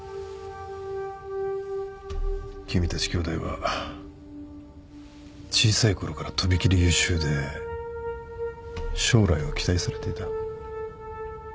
君たち兄弟は小さいころからとびきり優秀で将来を期待されていた。